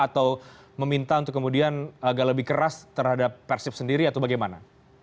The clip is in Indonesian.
atau meminta untuk kemudian agak lebih keras terhadap persib sendiri atau bagaimana